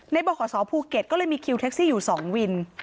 บขศภูเก็ตก็เลยมีคิวแท็กซี่อยู่๒วิน